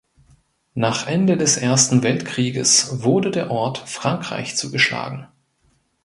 Nach Ende des Ersten Weltkrieges wurde der Ort Frankreich zugeschlagen.